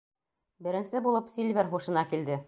Беренсе булып Сильвер һушына килде.